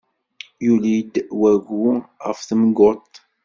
Yuli-d wagu ɣef temguḍt.